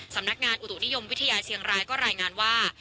สำนักงานอุตุนิยมวิทยาเชียงรายก็รายงานว่า